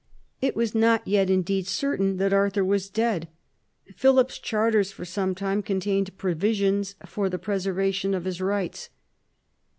It was not yet indeed certain that Arthur was dead. Philip's charters for some time contain provisions for the preservation of his rights.